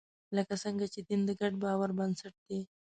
لکه څنګه چې دین د ګډ باور بنسټ دی.